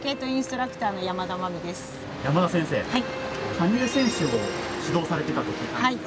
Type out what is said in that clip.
「羽生選手を指導されていたと聞いたんですが」